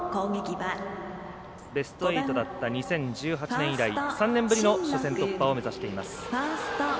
ベスト８だった２００８年以来３年ぶりの初戦突破を目指しています。